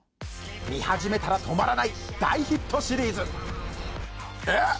見始めたら止まらない大ヒットシリーズ。えっ！